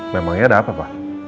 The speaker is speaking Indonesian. memangnya ada apa pak